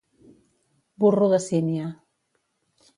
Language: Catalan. Burro de sínia.